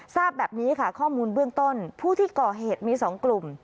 ทราบแบบนี้ค่ะข้อมูลเบื้องต้นผู้ที่ก่อเหตุมี๒กลุ่ม